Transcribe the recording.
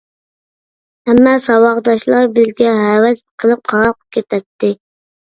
ھەممە ساۋاقداشلار بىزگە ھەۋەس قىلىپ قاراپ كېتەتتى.